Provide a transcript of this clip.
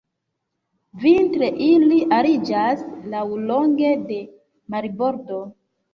Vintre ili ariĝas laŭlonge de marbordo.